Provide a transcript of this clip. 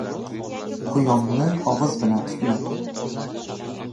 • Quyonni og‘iz bilan tutma.